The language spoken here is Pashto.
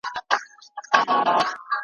دواړي سترګي د غوايي دي ورتړلي ,